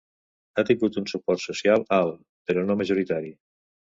Ha tingut un suport social alt, però no majoritari.